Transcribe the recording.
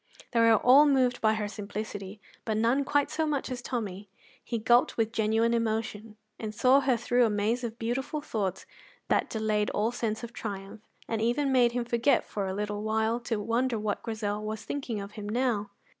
They were all moved by her simplicity, but none quite so much as Tommy. He gulped with genuine emotion, and saw her through a maze of beautiful thoughts that delayed all sense of triumph and even made him forget, for a little while, to wonder what Grizel was thinking of him now.